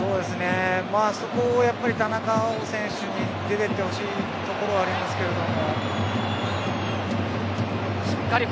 あそこを田中碧選手に出て行ってほしいところはありますけども。